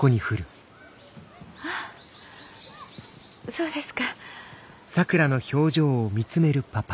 あそうですか。